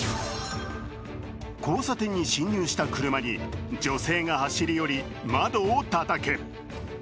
交差点に進入した車に女性が走り寄り、窓をたたく。